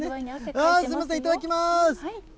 あー、すみません、いただきます。